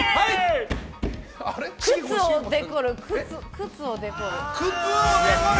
靴をデコる。